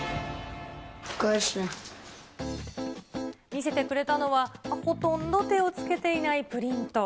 見せてくれたのは、ほとんど手をつけていないプリント。